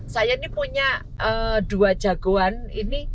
saya ini punya dua jagoan ini